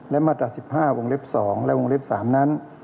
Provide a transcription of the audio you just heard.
และมาตรา๑๕วงเล็บ๒และวงเล็บ๓นั้น